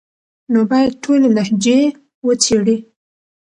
نو بايد ټولي لهجې وڅېړي،